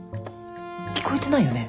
聞こえてないよね？